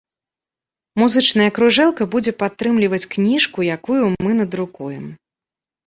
Музычная кружэлка будзе падтрымліваць кніжку, якую мы надрукуем.